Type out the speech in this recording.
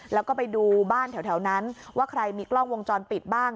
แล้วก็ไปดูบ้านแถวนั้นว่าใครมีกล้องวงจรปิดบ้าง